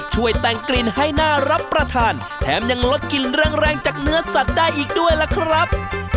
ช่วยแต่งกลิ่นให้น่ารับประทานแถมยังลดกลิ่นแรงจากเนื้อสัตว์ได้อีกด้วยล่ะครับ